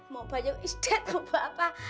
mau banyak istirahat mau apa apa